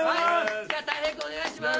じゃあたい平君お願いします。